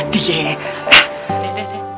nih deh mulai deh